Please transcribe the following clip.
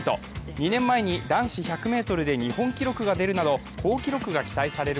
２年前に男子１００ｍで日本記録が出るなど好記録が期待される